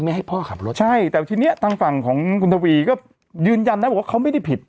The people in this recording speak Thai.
ให้พ่อขับรถใช่แต่ทีนี้ทางฝั่งของคุณทวีก็ยืนยันนะบอกว่าเขาไม่ได้ผิด